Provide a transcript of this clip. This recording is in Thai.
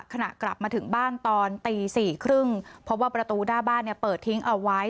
ขณะกลับมาถึงบ้านตอนตี๔๓๐เพราะว่าประตูหน้าบ้านเปิดทิ้งเอาไว้